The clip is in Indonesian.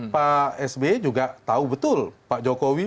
pak sby juga tahu betul pak jokowi